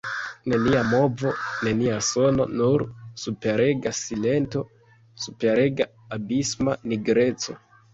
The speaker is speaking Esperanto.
Nenia movo, nenia sono, nur superega silento, superega, abisma nigreco.